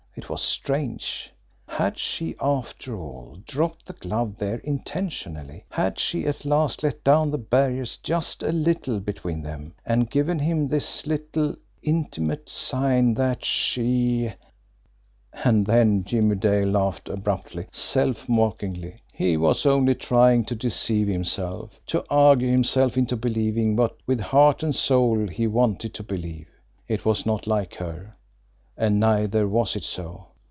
It was strange! Had she, after all, dropped the glove there intentionally; had she at last let down the barriers just a little between them, and given him this little intimate sign that she And then Jimmie Dale laughed abruptly, self mockingly. He was only trying to deceive himself, to argue himself into believing what, with heart and soul, he wanted to believe. It was not like her and neither was it so!